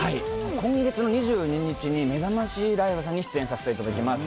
今月２２日にめざましライブさんに出演させていただきます。